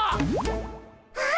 あ！